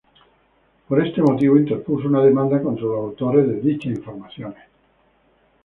Por este motivo interpuso una demanda contra los autores de dichas informaciones.